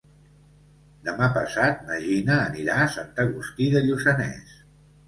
Demà passat na Gina anirà a Sant Agustí de Lluçanès.